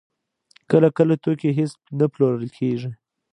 کله کله توکي هېڅ نه پلورل کېږي